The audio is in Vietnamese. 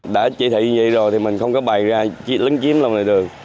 đã chỉ thị như vậy rồi thì mình không có bày ra lấn chiếm lòng đường